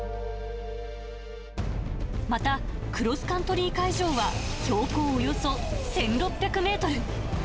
また、クロスカントリー会場は、標高およそ１６００メートル。